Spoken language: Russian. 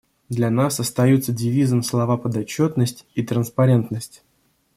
Для нас остаются девизом слова «подотчетность» и «транспарентность».